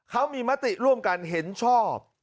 เขามีมติร่วมกันเห็นชอบ